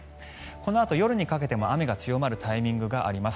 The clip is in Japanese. このあと夜にかけても雨が強まるタイミングがあります。